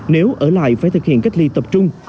nếu ở lại phải thực hiện cách ly tập trung